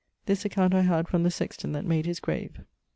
This account I had from the sexton that made his grave.